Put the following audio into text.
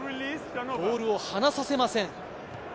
ボールを離させません。